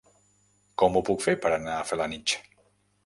Com ho puc fer per anar a Felanitx?